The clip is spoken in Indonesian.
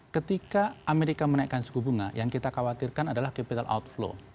ketika amerika menaikkan suku bunga yang kita khawatirkan adalah capital outflow